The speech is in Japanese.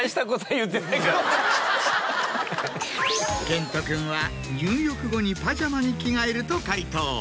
健人君は入浴後にパジャマに着替えると回答。